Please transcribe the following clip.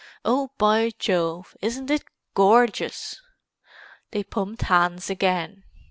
Oh, by Jove, isn't it gorgeous!" They pumped hands again.